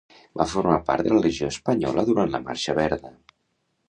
Va formar part de la Legió Espanyola durant la marxa verda.